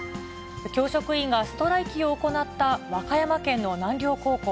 教職員がストライキを行った和歌山県の南陵高校。